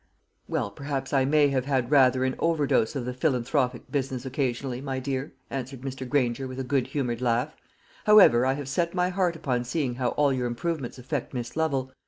"Well, perhaps I may have had rather an overdose of the philanthropic business occasionally, my dear," answered Mr. Granger, with a good humoured laugh. "However, I have set my heart upon seeing how all your improvements affect Miss Lovel.